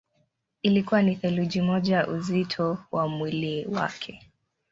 Ilikuwa ni theluthi moja ya uzito wa mwili wake.